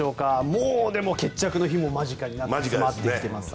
もうでも決着の日も間近に迫ってきています。